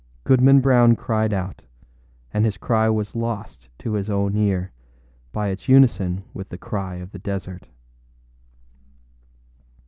Goodman Brown cried out, and his cry was lost to his own ear by its unison with the cry of the desert.